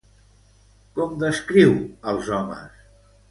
Com descriu als homes?